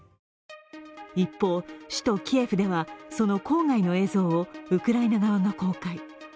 一方、首都キエフでは、その郊外の映像をウクライナ側が公開。